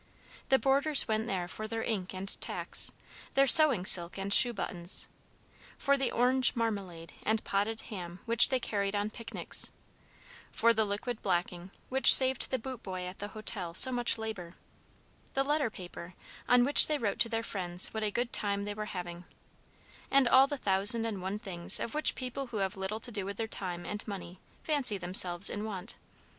The boarders went there for their ink and tacks; their sewing silk and shoe buttons; for the orange marmalade and potted ham which they carried on picnics; for the liquid blacking, which saved the boot boy at the hotel so much labor; the letter paper, on which they wrote to their friends what a good time they were having; and all the thousand and one things of which people who have little to do with their time and money fancy themselves in want.